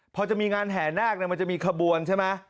พอจะมีงานแห่นาคมันจะมีขบวนใช่ไหม